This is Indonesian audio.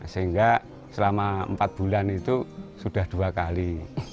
sehingga selama empat bulan itu sudah dua kali